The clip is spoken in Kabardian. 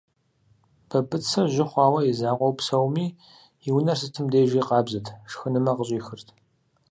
Бабыцэ жьы хъуауэ и закъуэу псэуми, и унэр сытым дежи къабзэт, шхынымэ къыщӏихырт.